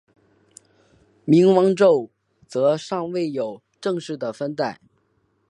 冥古宙则尚未有正式的分代。